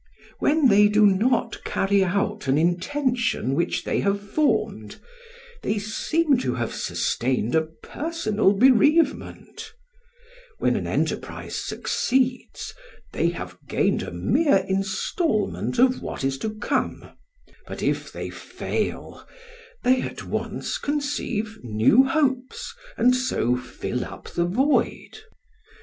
When they do not carry out an intention which they have formed, they seem to have sustained a personal bereavement; when an enterprise succeeds, they have gained a mere instalment of what is to come; but if they fail, they at once conceive new hopes and so fill up the void.